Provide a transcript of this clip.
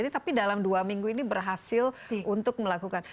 tapi dalam dua minggu ini berhasil untuk melakukan